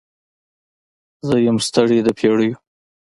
زه یم ستړې د پیړیو